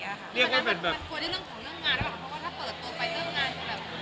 นี่ก็เป็นเรื่องของเรื่องงานรึเปล่าเพราะว่าถ้าเปิดตัวไปเรื่องงานก็แบบ